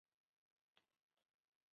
属辽东郡。